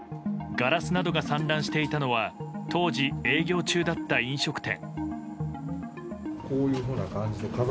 ガラスなどが散乱していたのは当時、営業中だった飲食店。